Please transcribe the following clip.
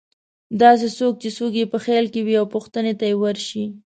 داسې څوک چې څوک یې په خیال کې وې او پوښتنې ته ورشي.